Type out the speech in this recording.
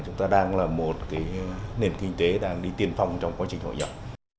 chúng ta đang là một nền kinh tế đang đi tiên phong trong quá trình hội nhập